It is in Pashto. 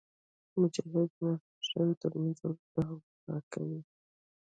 مجاهد د ماسپښین تر لمونځه وروسته هم دعا کوي.